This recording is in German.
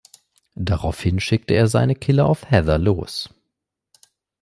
Daraufhin schickt er seine Killer auf Heather los.